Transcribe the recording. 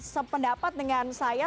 sependapat dengan saya